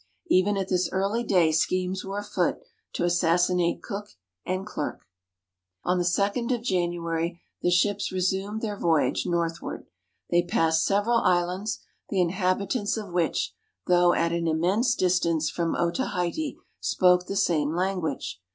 Even at this early day schemes were afoot to assassinate Cook and Clerke. On the 2d of January the ships resumed their voyage northward. They passed several islands, the inhabitants of which, though at an immense distance from Otaheite, spoke the same language.